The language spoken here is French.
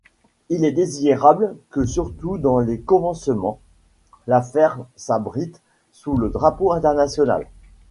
Il est désirable que surtout dans les commencements, l'affaire s'abrite sous le drapeau international.